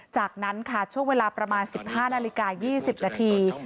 จากนั้นค่ะช่วงเวลาประมาณ๑๕นาฬิกา๒๐นาที